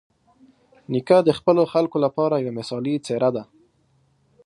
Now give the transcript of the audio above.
نیکه د خپلو خلکو لپاره یوه مثالي څېره ده.